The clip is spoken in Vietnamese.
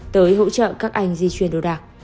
tới hỗ trợ các anh di chuyển đồ đạc